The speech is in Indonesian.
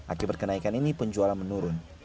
akibat kenaikan ini penjualan menurun